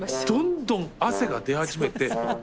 どんどん汗が出始めて。